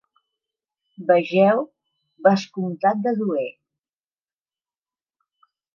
Vegeu vescomtat de Douai.